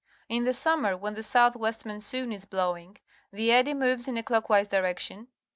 In the summer, when the south west monsoon is blowing, the eddy moves in a clockwise direction.